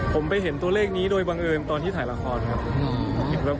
ผมไปเห็นตัวเลขนี้โดยบังเอิญตอนที่ถ่ายละครครับ